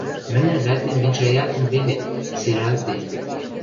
Мӹньӹн вӓтем венчӓйӓлтӹн веле, сирӓлтде...